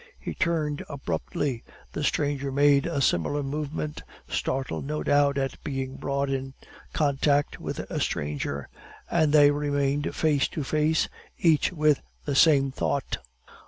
He turned abruptly, the stranger made a similar movement, startled no doubt at being brought in contact with a stranger; and they remained face to face, each with the same thought.